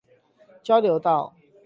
交流道